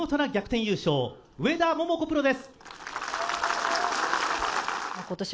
上田桃子